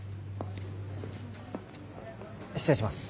失礼します。